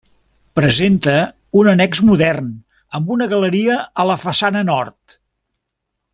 Presenta un annex modern amb una galeria a la façana nord.